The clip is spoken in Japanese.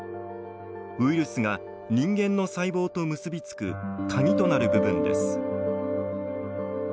ウイルスが人間の細胞と結び付く鍵となる部分です。